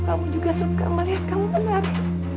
kamu juga suka melihat kamu benar